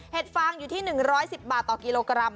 ฟางอยู่ที่๑๑๐บาทต่อกิโลกรัม